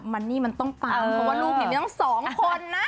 มันนี่มันต้องปังเพราะว่าลูกเนี่ยมีทั้งสองคนนะ